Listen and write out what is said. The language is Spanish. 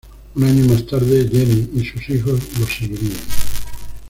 Un año más tarde Jenny y sus hijos lo seguirían.